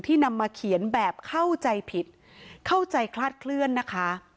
นำมาเขียนแบบเข้าใจผิดเข้าใจคลาดเคลื่อนนะคะ